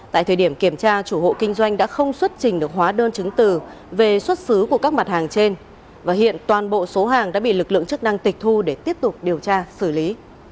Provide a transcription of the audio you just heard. tại thời điểm kiểm tra chủ hộ kinh doanh đã không xuất trình được hóa đơn chứng từ về xuất xứ của các mặt hàng trên và hiện toàn bộ số hàng đã bị lực lượng chức năng tịch thu để tiếp tục điều tra xử lý